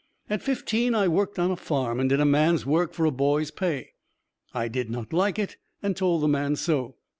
At fifteen I worked on a farm and did a man's work for a boy's pay. I did not like it and told the man so.